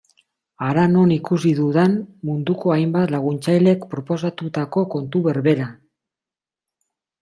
Hara non ikusi dudan munduko hainbat laguntzailek proposatutako kontu berbera.